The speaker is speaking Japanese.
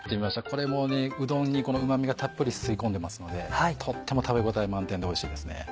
これもうどんにうま味がたっぷり吸い込んでますのでとっても食べ応え満点でおいしいですね。